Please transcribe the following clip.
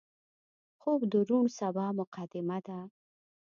خوب د روڼ سبا مقدمه ده